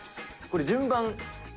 これ、順番。